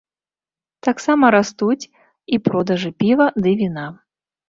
Таксама растуць і продажы піва ды віна.